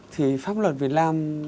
thì pháp luật việt nam